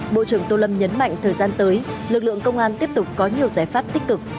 bộ trưởng tô lâm nhấn mạnh thời gian tới lực lượng công an tiếp tục có nhiều giải pháp tích cực